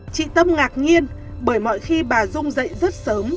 chị tâm ngạc nhiên bởi mọi khi bà dung dạy rất sớm